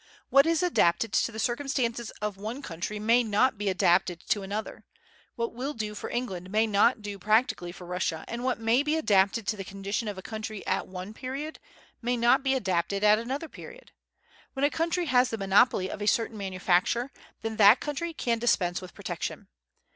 What is adapted to the circumstances of one country may not be adapted to another; what will do for England may not do practically for Russia; and what may be adapted to the condition of a country at one period may not be adapted at another period. When a country has the monopoly of a certain manufacture, then that country can dispense with protection.